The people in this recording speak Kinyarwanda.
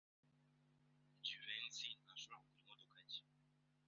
Jivency ntashobora kugura imodoka nshya.